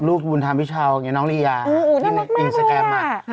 ลูกบุญธรรมพี่เช้าอ๋อน้องวสิสแกรมอ่ะ